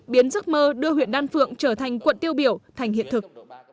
biến giấc mơ đưa huyện đan phượng trở thành quận tiêu biểu thành hiện thực